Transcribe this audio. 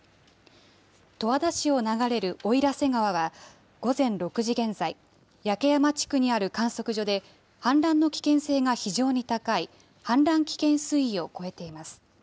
十和田市を流れる奥入瀬川は、午前６時現在、やけやま地区にある観測所で氾濫の危険性が非常に高い氾濫危険水位を超えています。